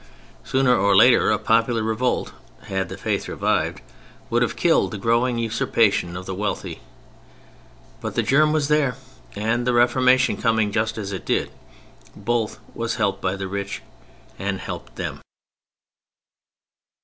Sooner or later a popular revolt (had the Faith revived) would have killed the growing usurpation of the wealthy. But the germ was there; and the Reformation coming just as it did, both was helped by the rich and helped them.